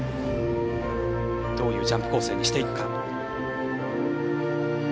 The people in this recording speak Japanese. どういうジャンプ構成にしていくか。